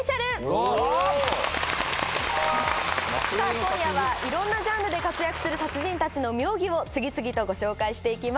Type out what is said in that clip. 今夜はいろんなジャンルで活躍する達人たちの妙技を次々とご紹介して行きます。